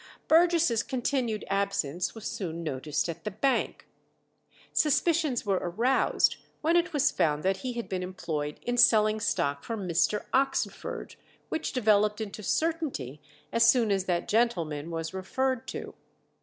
Burgess' continued absence was soon noticed at the bank. Suspicions were aroused when it was found that he had been employed in selling stock for Mr. Oxenford, which developed into certainty as soon as that gentleman was referred to.